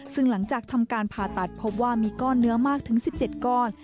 ซึ่งหลังจากทำการผ่าตัดพบว่ามีก้อนเนื้อมากถึง๑๗ก้อน